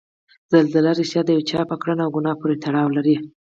زلزله ریښتیا د یو چا په کړنه او ګناه پورې تړاو لري؟